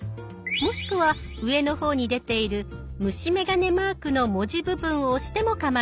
もしくは上の方に出ている虫眼鏡マークの文字部分を押してもかまいません。